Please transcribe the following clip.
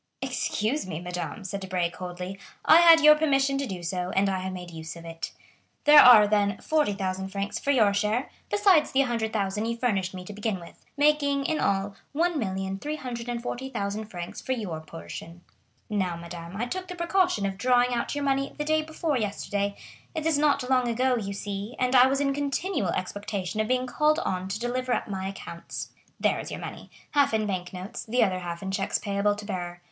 "Excuse me, madame," said Debray coldly, "I had your permission to do so, and I have made use of it. There are, then, 40,000 francs for your share, besides the 100,000 you furnished me to begin with, making in all 1,340,000 francs for your portion. Now, madame, I took the precaution of drawing out your money the day before yesterday; it is not long ago, you see, and I was in continual expectation of being called on to deliver up my accounts. There is your money,—half in bank notes, the other half in checks payable to bearer.